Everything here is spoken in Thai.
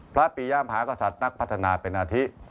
พระปริยามหาชาตินักพัฒนาเป็นอาทิ